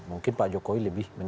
mungkin pak jokowi lebih